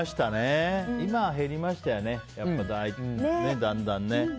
今は減りましたね、だんだんね。